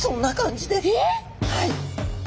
はい。